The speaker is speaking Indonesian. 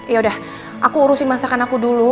yaudah aku urusin masakan aku dulu